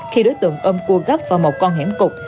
khi đối tượng ôm cua gắp vào một con hẻm cục